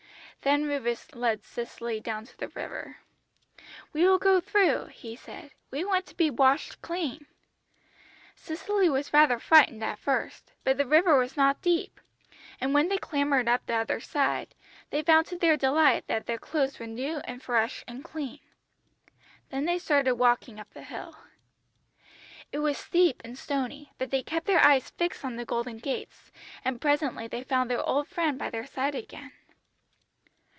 "Then Rufus led Cicely down to the river. "'We will go through,' he said. 'We want to be washed clean.' "Cicely was rather frightened at first, but the river was not deep, and when they clambered up the other side, they found to their delight that their clothes were new and fresh and clean. Then they started walking up the hill. "It was steep and stony, but they kept their eyes fixed on the golden gates, and presently they found their old friend by their side again.